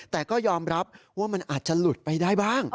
แต่ก็ยอมรับว่ามันอาจจะหลุดไปได้บ้าง